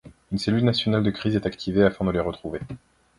Une cellule nationale de crise est activée afin de les retrouver.